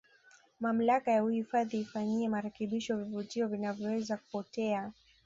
mamlaka ya uhifadhi ifanyie marekebisho vivutio vinavyoweza kupotea